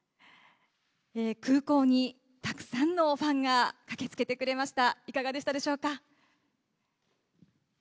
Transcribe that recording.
空港にたくさんのファンが駆けつけてくれました。